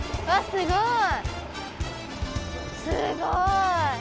すごい！